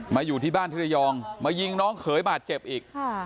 อยู่ที่บ้านที่ระยองมายิงน้องเขยบาดเจ็บอีก